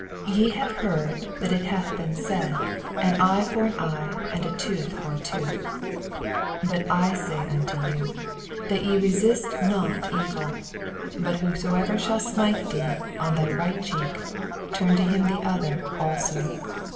88 Te have beard that it hath been said, An eye for an eye, and a tooth for a tooth : 89 But I say nnto yon, That ye re* Biat not evil : bat whosoever shall smite thee on thy right cheek, tnm to him the other aCso.